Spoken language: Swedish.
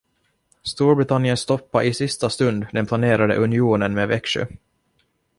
Storbritannien stoppade i sista stund den planerade unionen med Växjö.